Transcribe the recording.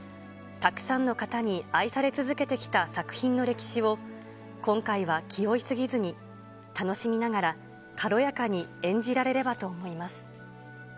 たくさんの方に愛され続けてきた作品の歴史を今回は気負い過ぎずに、楽しみながら、軽やかに演じられればと思います。